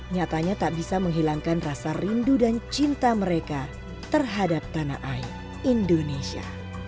nyatanya tak bisa menghilangkan rasa rindu dan cinta mereka terhadap tanah air indonesia